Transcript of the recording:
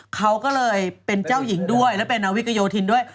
เขาก็เลยเป็นเจ้าหญิงด้วยและเป็นนาวิกโยธินด้วย